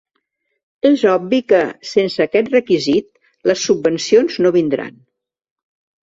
És obvi que, sense aquest requisit, les subvencions no vindran.